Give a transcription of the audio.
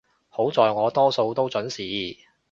好在我多數都幾準時